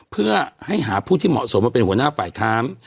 เพื่อให้หาผู้ที่เหมาะสมมาเป็นหัวหน้าฝ่ายค้าน